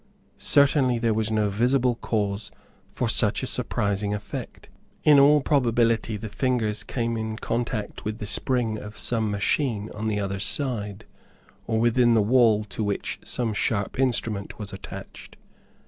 Certainly, there was no visible cause for such a surprising effect. In all probability the fingers came in contact with the spring of some machine on the other side, or within the wall to which some sharp instrument was attached.